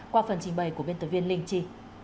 qua phần trình bày của biên tập viên linh chi